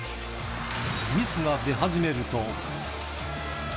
ミスが出始めると。